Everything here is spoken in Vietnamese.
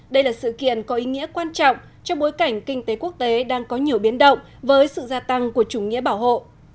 đây là sự kiện có ý nghĩa quan trọng trong bối cảnh kinh tế quốc tế đang có nhiều biến động với sự gia tăng của chủ nghĩa bảo hộ